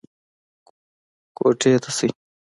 کوټې ته شئ.